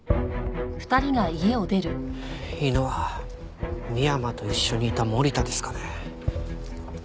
犬は深山と一緒にいた森田ですかね？